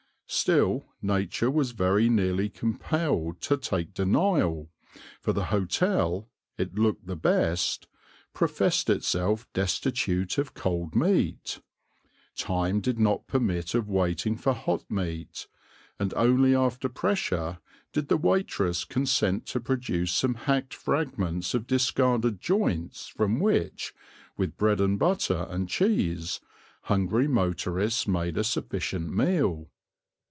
Still Nature was very nearly compelled to take denial, for the hotel it looked the best professed itself destitute of cold meat; time did not permit of waiting for hot meat; and only after pressure did the waitress consent to produce some hacked fragments of discarded joints from which, with bread and butter and cheese, hungry motorists made a sufficient meal.